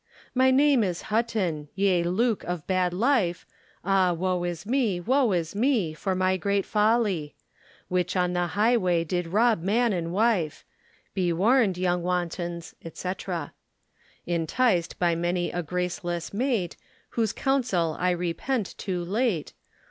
My name is Hutton, yea Luke of bad life, Ah woe is me, woe is me, for my great folly! Which on the high way did rob man and wife, Be warned yong wantons, &c. Inticed by many a gracelesse mate, Whose counsel I repent too late.